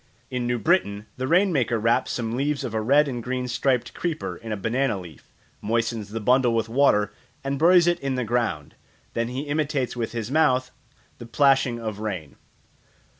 In New Britain the rain maker wraps some leaves of a red and green striped creeper in a banana leaf, moistens the bundle with water, and buries it in the ground; then he imitates with his mouth the plashing of rain.